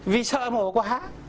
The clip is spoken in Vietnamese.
vì sợ mổ quá